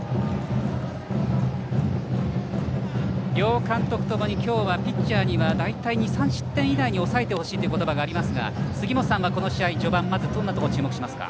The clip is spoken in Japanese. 両監督ともに今日はピッチャーには大体、２３失点以内に抑えてほしいという言葉がありますが杉本さんは、この試合の序盤どんなところに注目しますか？